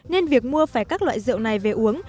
nên việc mua phải các loại rượu này về uống